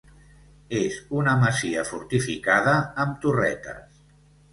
És una masia fortificada, amb torretes.